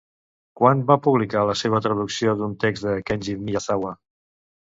Quan va publicar la seva traducció d'un text de Kenji Miyazawa?